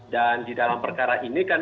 dan di dalam perkara ini kan